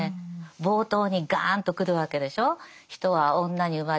冒頭にガーンとくるわけでしょう。